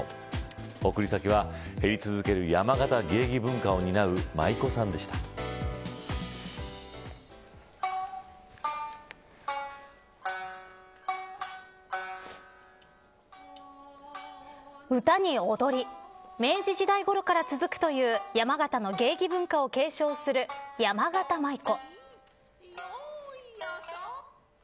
贈り先は、減り続ける山形芸妓文化を担う唄に踊り明治時代ごろから続くという山形の芸妓文化を継承するやまがた舞子。